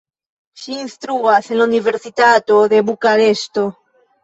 Ŝi instruas en la Universitato de Bukareŝto.